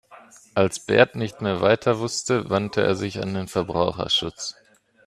Als Bert nicht mehr weiter wusste, wandte er sich an den Verbraucherschutz.